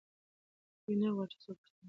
دوی نه غواړي چې څوک پوښتنه وکړي.